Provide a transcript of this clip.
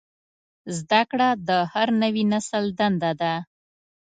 زدهکړه د هر نوي نسل دنده ده.